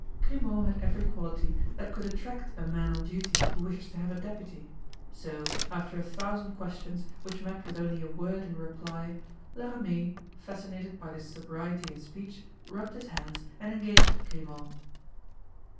Grimaud had every quality that could attract a man on duty who wishes to have a deputy. So, after a thousand questions which met with only a word in reply, La Ramee, fascinated by this sobriety in speech, rubbed his hands and engaged Grimaud.